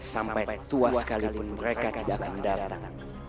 sampai tua sekali pun mereka tidak akan datang